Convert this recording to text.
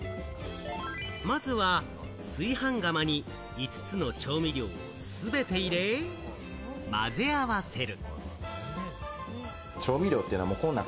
まずは炊飯釜に５つの調味料を全て入れ、混ぜ合わせる。